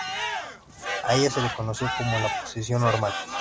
A ella se le conoció como la "posición normal".